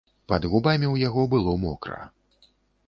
Пад губамі ў яго было мокра.